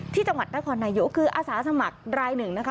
ที่จังหวัดนครนายกคืออาสาสมัครรายหนึ่งนะคะ